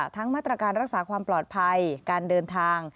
ทั้งมาตรการรักษาความปลอดภัยการเดินทาง